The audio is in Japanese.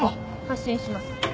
発進します。